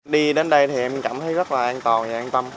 đi đến đây thì em cảm thấy rất là an toàn và an tâm